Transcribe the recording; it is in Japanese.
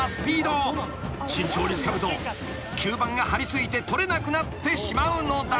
［慎重につかむと吸盤が張りついて取れなくなってしまうのだ］